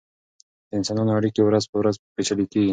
د انسانانو اړیکې ورځ په ورځ پیچلې کیږي.